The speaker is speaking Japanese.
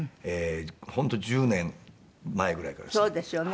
本当１０年前ぐらいからですね。